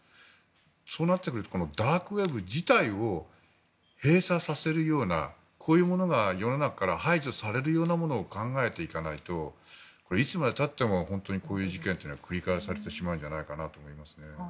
そうなってくるとダークウェブ自体を閉鎖させるようなこういうものが世の中から排除されるようなものを考えていかないといつまで経ってもこういう事件は繰り返されてしまうんじゃないかと思います。